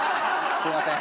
すみません。